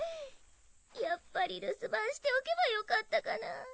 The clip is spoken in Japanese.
やっぱり留守番しておけばよかったかなぁ